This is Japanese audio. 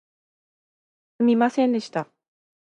すみませんでした